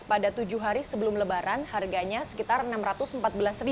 pada tujuh hari sebelum lebaran harganya sekitar rp enam ratus empat belas